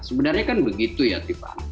sebenarnya kan begitu ya tiffan